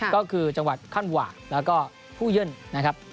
ก็คือจังหวัดขั้นหว่าแล้วก็ผู้เย่นนะครับ